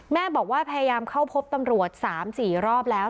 แม่บอกว่าพยายามเข้าพบตำรวจ๓๔รอบแล้ว